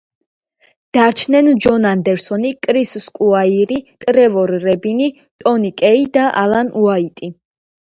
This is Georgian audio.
დარჩნენ: ჯონ ანდერსონი, კრის სკუაირი, ტრევორ რებინი, ტონი კეი და ალან უაიტი.